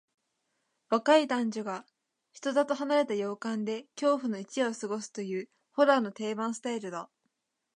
若い男女が人里離れた洋館で恐怖の一夜を過ごすという、ホラーの定番スタイルだ。